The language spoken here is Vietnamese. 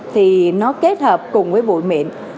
thì nó kết hợp cùng với bụi miệng